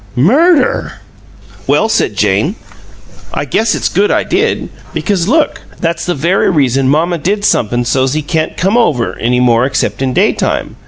"Murder!" "Well," said Jane, "I guess it's good I did, because look that's the very reason mamma did somep'm so's he can't come any more except in daytime.